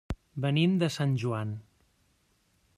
Venim de Sant Joan.